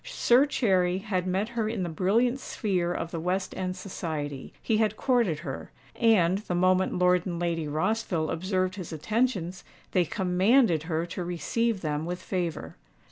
Sir Cherry had met her in the brilliant sphere of the West End society: he had courted her; and, the moment Lord and Lady Rossville observed his attentions, they commanded her to receive them with favour.